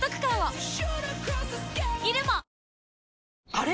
あれ？